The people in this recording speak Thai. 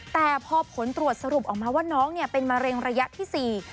แต่พอผลตรวจสรุปออกมาว่าน้องเนี่ยเป็นมะเร็งระยะที่๔